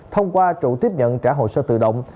thông qua chủ tiếp nhận trả hồ sơ tự động